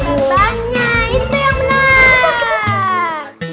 bentangnya itu yang menang